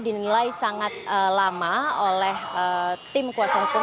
dinilai sangat lama oleh tim kuasa hukum